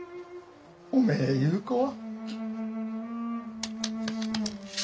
おめえいう子は。